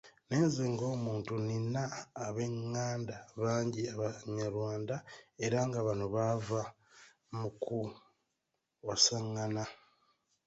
Naye nze ng'omuntu, nnina ab'enganda bangi abanyarwanda era nga bano baava mu kuwasangana.